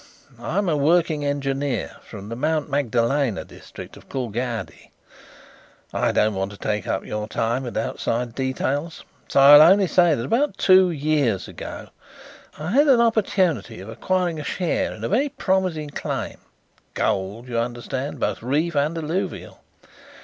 I am a working engineer from the Mount Magdalena district of Coolgardie. I don't want to take up your time with outside details, so I will only say that about two years ago I had an opportunity of acquiring a share in a very promising claim gold, you understand, both reef and alluvial.